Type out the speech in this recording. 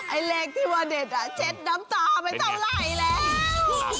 ไอ้เล็กที่ว่าเด็ดอ่ะเช็ดน้ำตาไม่ต้องไหลแล้ว